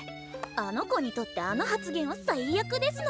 あの子にとってあの発言は最悪ですの。